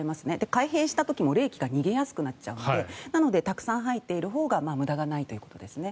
開閉した時も冷気が逃げやすくなっちゃうのでなので、たくさん入ってるほうが無駄がないということですね。